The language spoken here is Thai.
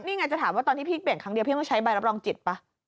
นี่ไงจะถามว่าตอนที่พี่เปลี่ยนครั้งเดียวพี่มาใช้ใบรับรองจิตป่ะ